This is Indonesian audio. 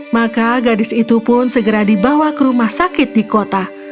maka gadis itu pun segera dibawa ke rumah sakit di kota